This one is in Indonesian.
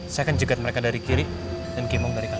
saya akan juga mereka dari kiri dan kemung dari kanan